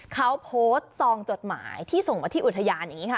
เขาโพสต์ซองจดหมายที่ส่งมาที่อุทยาน